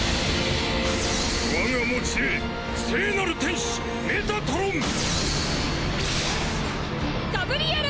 我が持霊聖なる天使メタトロン！！ガブリエル！